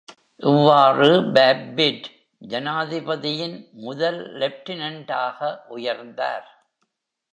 இவ்வாறு, Babbitt "ஜனாதிபதி"-யின் முதல் லெப்டினெண்டாக உயர்ந்தார்.